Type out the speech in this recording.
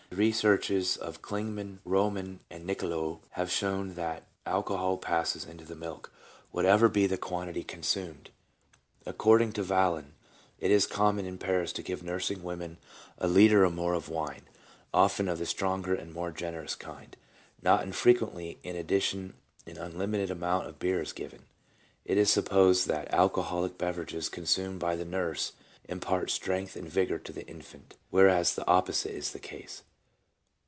The researches of Klingemann, Roemann, and Nicloux have shown that alcohol passes into the milk, what ever be the quantity consumed. According to Vallin, it is common in Paris to give nursing women a litre or more of wine, often of the stronger and more generous kind. Not infrequently in addition an un limited amount of beer is given. It is supposed that alcoholic beverages consumed by the nurse impart strength and vigour to the infant, whereas the opposite is the case.